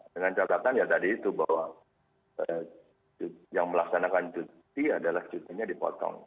dengan catatan ya tadi itu bahwa yang melaksanakan cuti adalah cutinya dipotong